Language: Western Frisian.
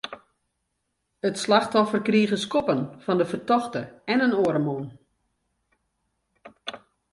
It slachtoffer krige skoppen fan de fertochte en in oare man.